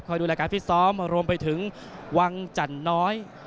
ครับคอยดูรายการฟิศซ้อมรวมไปถึงวังจันทร์น้อย